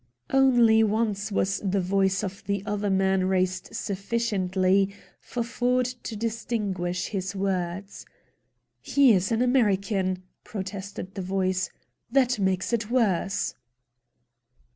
Only once was the voice of the other man raised sufficiently for Ford to distinguish his words. "He is an American," protested the voice; "that makes it worse."